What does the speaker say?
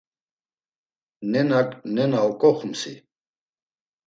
Nenak nena oǩoxumsi?